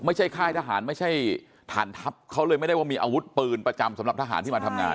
ค่ายทหารไม่ใช่ฐานทัพเขาเลยไม่ได้ว่ามีอาวุธปืนประจำสำหรับทหารที่มาทำงาน